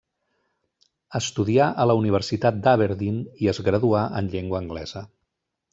Estudià a la Universitat d'Aberdeen i es graduà en llengua anglesa.